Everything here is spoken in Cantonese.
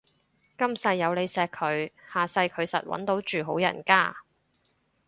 今世有你錫佢，下世佢實搵到住好人家